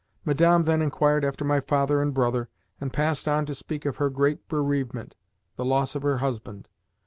Madame then inquired after my father and brother, and passed on to speak of her great bereavement the loss of her husband.